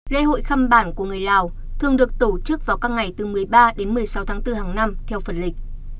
lễ hội khăm bản của người lào thường được tổ chức vào các ngày từ một mươi ba đến một mươi sáu tháng bốn hàng năm theo phần lịch